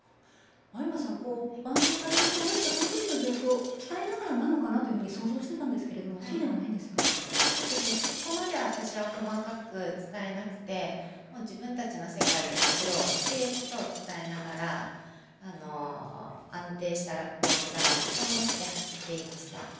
青山さん、伴走されると、何かそのときの状況を伝えながらなのかなというふうに想像してたんですけれども、そうではないんでそうですね、そこまで私は細かく伝えなくて、もう自分たちの世界で走ろうということを伝えながら、安定したラップを刻もうと思って走っていました。